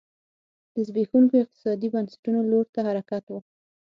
د زبېښونکو اقتصادي بنسټونو لور ته حرکت و